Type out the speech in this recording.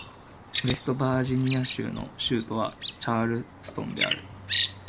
ウェストバージニア州の州都はチャールストンである